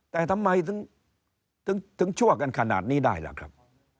แต่ทำไมถึงชั่วกันขนาดนี้ได้ล่ะครับ